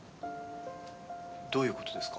どういうことですか？